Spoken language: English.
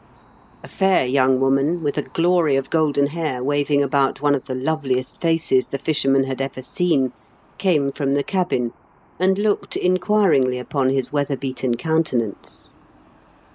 A fair young woman, with a glory of golden hair waving about one of the loveliest faces the fisherman had ever seen, came from the cabin and looked inquiringly upon his weather ^ beaten countenance.